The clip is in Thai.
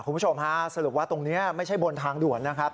คุณผู้ชมฮะสรุปว่าตรงนี้ไม่ใช่บนทางด่วนนะครับ